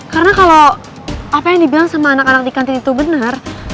karena kalo apa yang dibilang sama anak anak di kantin itu bener